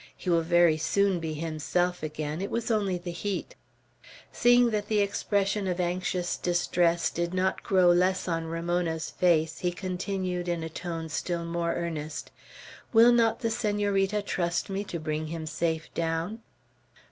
He will very soon be himself again. It was only the heat." Seeing that the expression of anxious distress did not grow less on Ramona's face, he continued, in a tone still more earnest, "Will not the Senorita trust me to bring him safe down?"